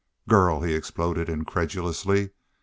"Girl!" he exploded, incredulously.